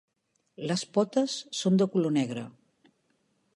Les potes són de color negre.